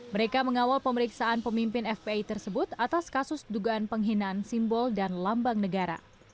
mereka mengawal pemeriksaan pemimpin fpi tersebut atas kasus dugaan penghinaan simbol dan lambang negara